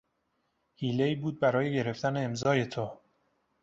حیلهای بود برای گرفتن امضای تو